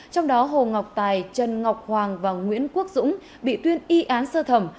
trong đó hồ ngọc tài trần ngọc hoàng và nguyễn quốc dũng bị tuyên y án sơ thẩm